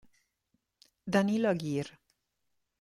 Danilo Aguirre